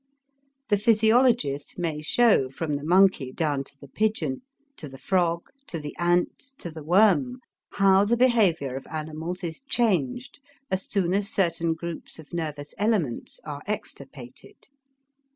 The physiologist may show from the monkey down to the pigeon, to the frog, to the ant, to the worm, how the behavior of animals is changed as soon as certain groups of nervous elements are extirpated.